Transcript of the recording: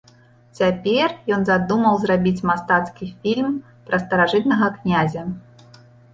Цяпер ён задумаў зрабіць мастацкі фільм пра старажытнага князя.